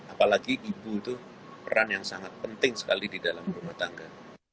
apalagi ibu itu peran yang sangat penting sekali di dalam rumah tangga